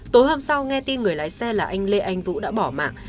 tối hôm sau nghe tin người lái xe là anh lê anh vũ đã bỏ mạng